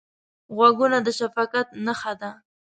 غوږونه د شفقت نښه ده